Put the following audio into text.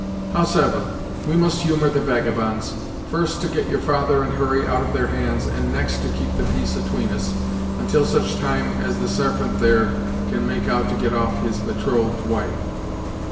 Howsever, we must humour the vagabonds, first to get your father and Hurry out of their hands, and next to keep the peace atween us, until such time as the Sarpent there can make out to get off his betrothed wife.